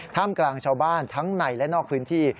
กลางชาวบ้านทั้งในและนอกพื้นที่